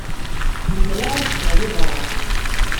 Ḥemmleɣ ad ččeɣ di berra.